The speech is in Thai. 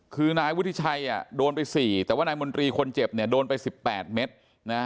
คือนายวุฒิชัยโดนไป๔แต่ว่านายมนตรีคนเจ็บเนี่ยโดนไป๑๘เมตรนะ